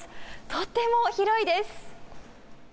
とても広いです。